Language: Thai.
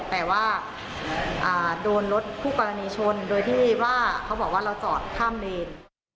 แต่ว่าโดนรถคู่กรณีชนโดยที่ว่าเขาบอกว่าเราจอดข้ามเลน